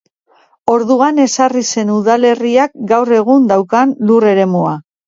Orduan ezarri zen udalerriak gaur egun daukan lur-eremua.